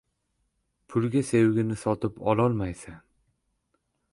• Pulga sevgini sotib ololmaysan.